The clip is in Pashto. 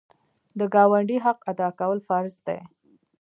د ګاونډي حق ادا کول فرض دي.